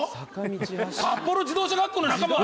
札幌自動車学校の仲間を。